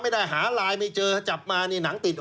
ป่วยครับป่วยทั้งนั้นนะครับ